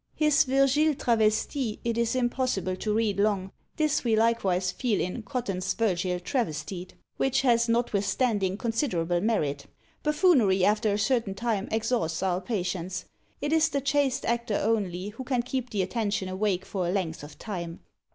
His "Virgile Travestie" it is impossible to read long: this we likewise feel in "Cotton's Virgil travestied," which has notwithstanding considerable merit. Buffoonery after a certain time exhausts our patience. It is the chaste actor only who can keep the attention awake for a length of time.